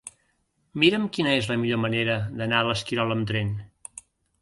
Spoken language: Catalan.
Mira'm quina és la millor manera d'anar a l'Esquirol amb tren.